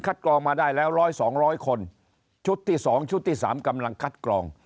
กรองมาได้แล้วร้อยสองร้อยคนชุดที่๒ชุดที่๓กำลังคัดกรอง